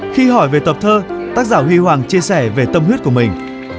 khi hỏi về tập thơ tác giả huy hoàng chia sẻ về tâm huyết của mình